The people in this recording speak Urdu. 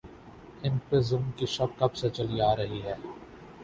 ان پہ ظلم کی شب کب سے چلی آ رہی ہے۔